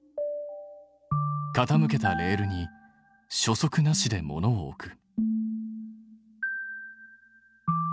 傾けたレールに初速なしで物を置く。